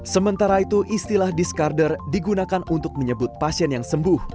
sementara itu istilah diskarder digunakan untuk menyebut pasien yang sembuh